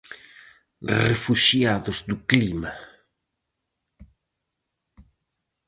Refuxiados do clima.